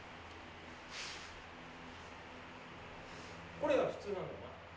これが普通なのよ。